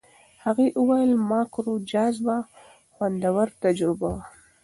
هغې وویل ماکرو جاذبه خوندور تجربه وه.